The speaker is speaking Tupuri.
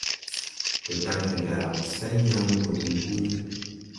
Ndo dan re gà, say yãã mo go diŋ huulí.